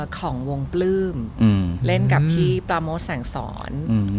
ของวงปลื้มเล่นกับพี่ปราโมทสั่งสอน